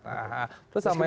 kalau itu kita sepakat